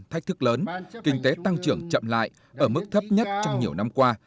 thách thức lớn kinh tế tăng trưởng chậm lại ở mức thấp nhất trong nhiều năm qua